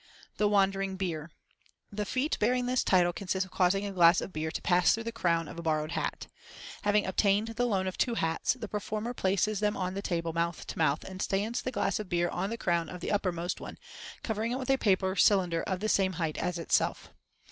The Wandering Beer.—The feat bearing this title consists of causing a glass of beer to pass through the crown of a borrowed hat. Having obtained the loan of two hats, the performer places them on the table mouth to mouth, and stands the glass of beer on the crown of the uppermost one, covering it with a paper cylinder of the same height as itself.